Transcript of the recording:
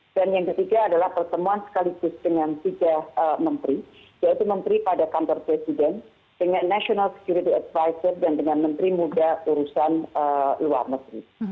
dan yang ketiga adalah pertemuan sekaligus dengan tiga menteri yaitu menteri pada kantor presiden dengan national security advisor dan dengan menteri muda urusan luar negeri